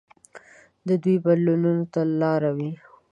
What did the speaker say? د دوی بدلولو ته لاره وي.